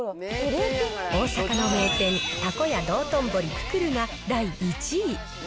大阪の名店、たこ家道頓堀くくるが第１位。